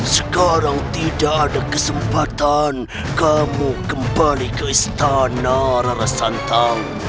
sekarang tidak ada kesempatan kamu kembali ke istana rarasantamu